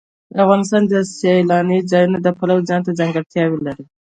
افغانستان د سیلانی ځایونه د پلوه ځانته ځانګړتیا لري.